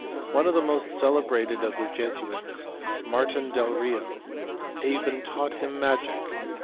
One of the most celebrated of the Jesuits, Martin del Rio, even taught him magic.